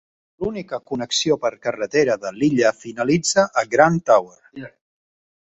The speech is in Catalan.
L'única connexió per carretera de l'illa finalitza a Grand Tower.